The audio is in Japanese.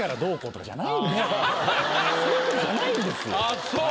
そういうことじゃないんですよ。